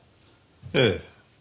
ええ。